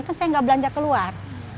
terus saya nggak belanja keluar